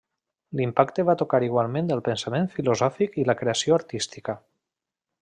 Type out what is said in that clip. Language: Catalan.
L'impacte va tocar igualment el pensament filosòfic i la creació artística.